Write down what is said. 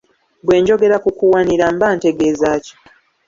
Bwe njogera ku kuwanira mba ntegeeza ki?